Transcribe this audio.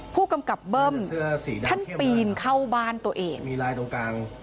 ผู้กำกับเบิ้มท่านปีนเข้าบ้านตัวเอง